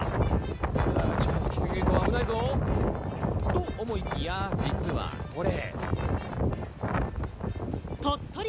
う、近づきすぎると危ないぞ。と思いきや、実はこれ。